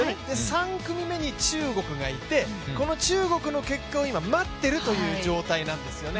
３組目が中国がいて、この中国の結果を今、待ってるという状態なんですよね。